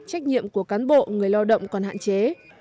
trách nhiệm của cán bộ người lao động còn hạn chế